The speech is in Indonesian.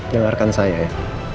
jangan lakukan saya ya